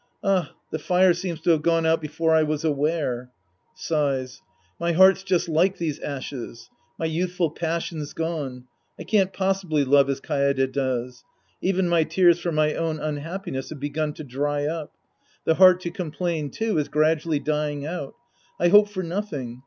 Ah, the fire seems to have gone out before I was aware. {Sighs.) My heart's just like these ashes. My youthful passion's gone. I can't possibly love as Kaede does. Even my tears for my own unhappiness have begun to dry up. The heart to complain, too, is gradually dying out. I hope for nothing.